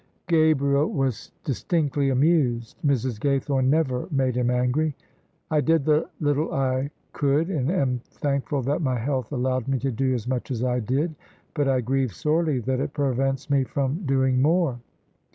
Gabriel was distinctly amused: Mrs. Gaythorne never made him angry. " I did the little I could, and am thank ful that my health allowed me to do as much as I did : but I grieve sorely that it prevents me from doing more."